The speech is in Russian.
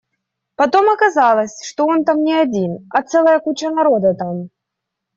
Потом оказалось, что он там не один, а целая куча народа там.